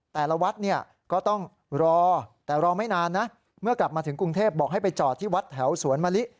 แต่ละวัดเนี่ยก็ต้องรอแต่รอไม่นานนะเมื่อกลับมาถึงกรุงเทพบอกให้ไปจอดที่วัดแถวสวนมะลิ